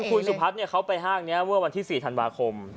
คุณสุพัฒน์เขาไปห้างนี้เมื่อวันที่๔ธันวาคม